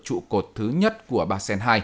trụ cột thứ nhất của ba sen hai